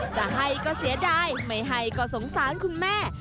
จะให้ก็เสียดายไม่ให้ก็สงสารคุณแม่